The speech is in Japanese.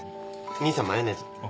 兄さんマヨネーズ。